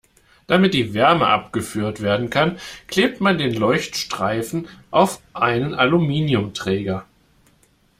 Damit die Wärme abgeführt werden kann, klebt man den Leuchtstreifen auf einen Aluminiumträger.